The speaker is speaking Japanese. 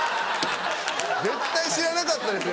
絶対知らなかったですよ